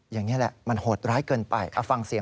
อย่างนี้แหละมันหดร้ายเกินไป